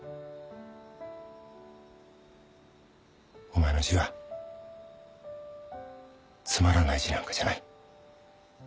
お前の字はつまらない字なんかじゃない。